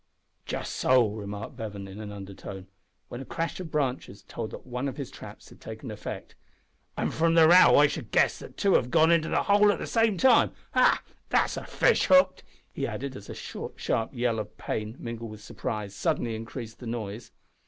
"Just so," remarked Bevan, in an undertone, when a crash of branches told that one of his traps had taken effect; "an' from the row I should guess that two have gone into the hole at the same time. Ha! that's a fish hooked!" he added, as a short sharp yell of pain, mingled with surprise, suddenly increased the noise.